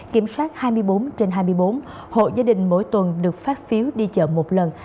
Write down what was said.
kiểm soát hai mươi bốn trên hai mươi bốn hộ gia đình mỗi tuần được phát phiếu đi chợ một lần